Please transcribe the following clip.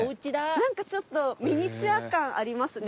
なんかミニチュア感ありますね